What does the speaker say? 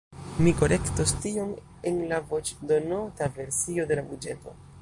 Mi korektos tion en la voĉdonota versio de la buĝeto.